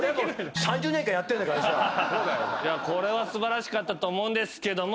これは素晴らしかったと思うんですけども。